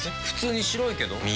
普通に白いけど。